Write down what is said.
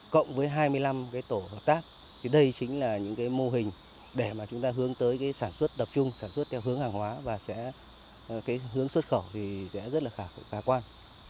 cộng với hai mươi năm tổ hợp tác thì đây chính là những mô hình để chúng ta hướng tới sản xuất đập trung sản xuất theo hướng hàng hóa và hướng xuất khẩu sẽ rất là khả quan